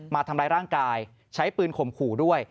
มาทำร้ายร่างกายใช้ปืนข่มขู่ด้วย